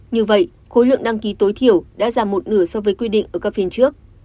như vậy khối lượng đăng ký tối thiểu đã giảm một nửa so với quy định ở các phiên trước